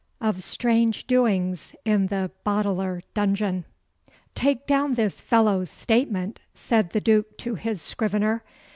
Of Strange Doings in the Boteler Dungeon 'Take down this fellow's statement,' said the Duke to his scrivener.